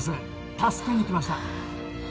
助けに来ました